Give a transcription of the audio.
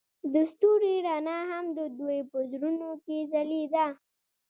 د ستوري رڼا هم د دوی په زړونو کې ځلېده.